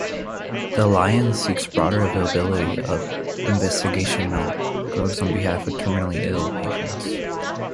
The Alliance seeks broader availability of investigational drugs on behalf of terminally ill patients.